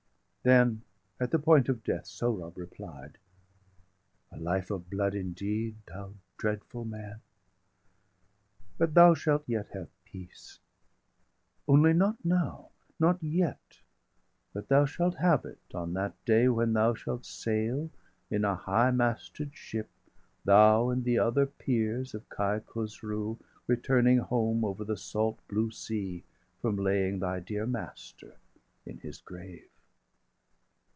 Then, at the point of death, Sohrab replied: "A life of blood indeed, thou dreadful man! But thou shalt yet have peace; only not now, Not yet! but thou shalt have it on that day,° °830 When thou shalt sail in a high masted ship, Thou and the other peers of Kai Khosroo, Returning home over the salt blue sea, From laying thy dear master in his grave."